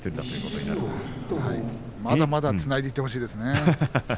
まだまだこの先もつないでいってほしいですね。